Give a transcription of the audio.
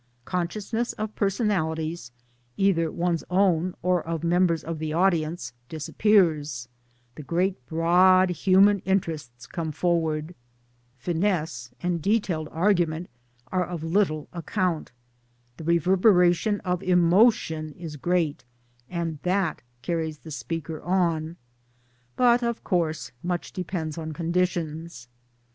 Consciousness of personalities either one's own or of members of the audience disappears ; the great broad human interests come forward ; finesse and detailed argu ment are of little account ; the reverberation of emotion is great, and that carries the speaker on ; but of course much depends on conditions.